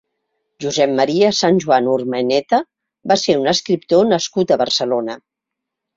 Josep María Sanjuán Urmeneta va ser un escriptor nascut a Barcelona.